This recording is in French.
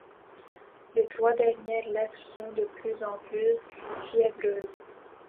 Les trois dernières lettres sont de plus en plus fiévreuses.